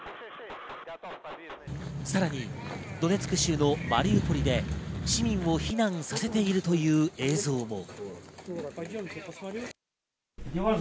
さらにドネツク州のマリウポリで市民を避難させているという映像も。